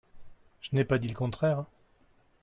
Je n’ai pas dit le contraire